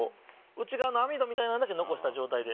内側の網戸みたいなのだけ残した状態で。